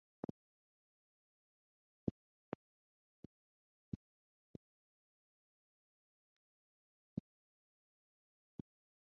Tumulus inhumations continue, but with less use of ochre.